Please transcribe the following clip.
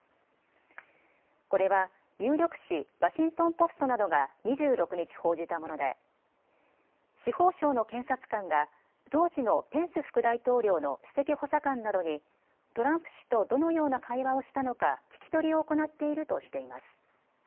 これは有力紙、ワシントン・ポストなどが２６日、報じたもので司法省の検察官が当時のペンス副大統領の首席補佐官などにトランプ氏とどのような会話をしたのか聞き取りを行っているとしています。